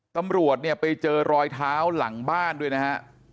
ตำรวจเนี่ยไปเจอรอยเท้าหลังบ้านด้วยนะฮะ